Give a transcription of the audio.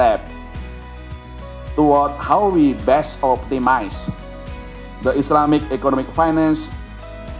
untuk cara kita optimisasi ekonomi dan keuangan syariah